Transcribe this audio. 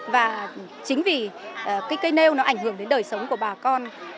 và chính vì cái cây nêu nó ảnh hưởng đến đời sống của bà con